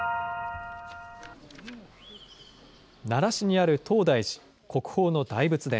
奈良市にある東大寺、国宝の大仏殿。